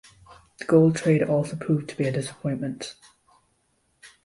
The gold trade also proved to be a disappointment.